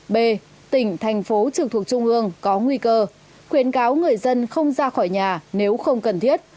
b tỉnh thành phố trực thuộc trung ương có nguy cơ khuyến cáo người dân không ra khỏi nhà nếu không cần thiết